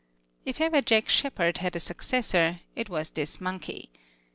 If ever Jack Sheppard had a successor, it was this monkey.